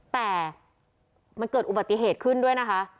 แต่มันเกิดอุบัติเหตุขึ้นด้วยนะคะ